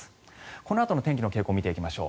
このあとの天気の傾向を見ていきましょう。